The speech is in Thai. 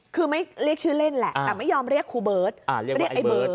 คือไม่เรียกชื่อเล่นแหละแต่ไม่ยอมเรียกครูเบิร์ตเรียกไอ้เบิร์ต